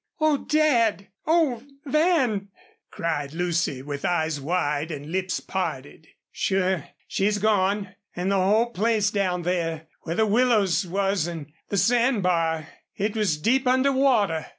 "Oh, Dad! Oh, Van!" cried Lucy, with eyes wide and lips parted. "Sure she's gone. An' the whole place down there where the willows was an' the sand bar it was deep under water."